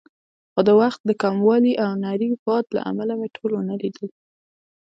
خو د وخت د کموالي او نري باران له امله مې ټول ونه لیدل.